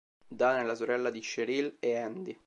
Dana è la sorella di Cheryl e Andy.